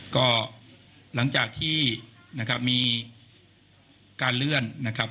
ก็หลังจากที่นะครับมีการเลื่อนนะครับ